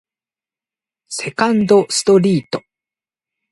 セカンドストリート